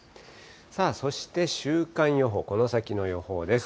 そして、週間予報、この先の予報です。